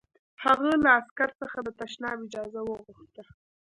هغه له عسکر څخه د تشناب اجازه وغوښته